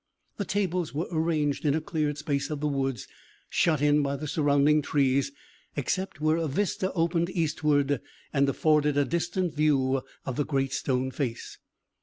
The tables were arranged in a cleared space of the woods, shut in by the surrounding trees, except where a vista opened eastward, and afforded a distant view of the Great Stone Face.